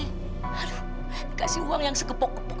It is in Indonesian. aduh dikasih uang yang sekepok kepok juga